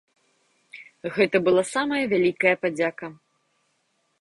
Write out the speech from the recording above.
Гэта была самая вялікая падзяка.